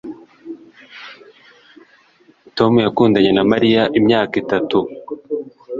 Tom yakundanye na Mariya imyaka itatu